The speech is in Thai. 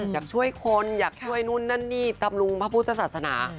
อยากช่วยคนอยากช่วยนู่นนั่นนี่ตำรุงพระพุทธศาสนา